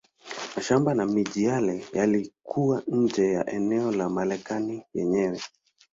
Mashamba na miji yale yalikuwa nje ya eneo la Marekani yenyewe.